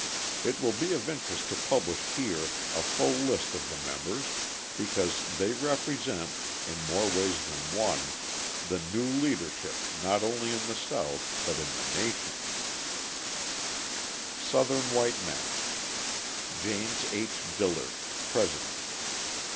It will be of interest to publish here a full list of the members, because they represent, in more ways than one, the new leadership not only in the South, but in the nation: Southern white men: James H. Dillard, President.